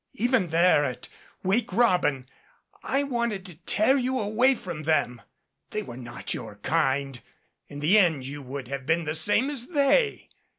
Even there at 'Wake Robin,' I wanted to tear you away from them. They were not your kind. In the end you would have been the same as they.